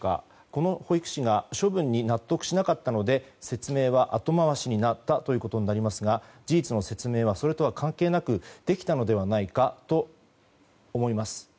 この保育士が処分に納得しなかったので説明は後回しになったということになりますが事実の説明はそれとは関係なくできたのではないかと思います。